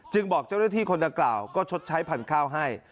บอกเจ้าหน้าที่คนดังกล่าวก็ชดใช้พันธุ์ข้าวให้